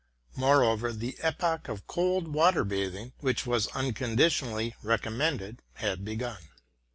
Moreover, the epoch of cold water bathing, which was un conditionally recommended, had then begun.